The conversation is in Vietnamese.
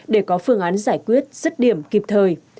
để có phương án giải quyết rứt điểm kịp thời